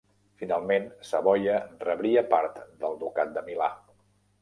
Finalment, Savoia rebria part del ducat de Milà.